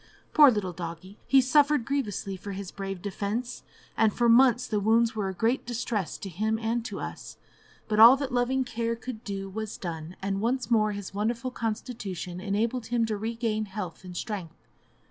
Poor little doggie! he suffered grievously for his brave defence, and for months the wounds were a great distress to him and to us; but all that loving care could do was done, and once more his wonderful constitution enabled him to regain health and strength.